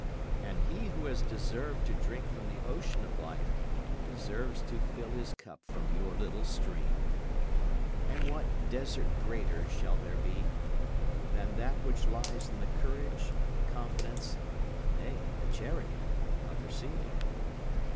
And he who has deserved to drink from the ocean of life deserves to fill his cup from your little stream. And what desert greater shall there be, than that which lies in the courage and the confidence, nay the charity, of receiving?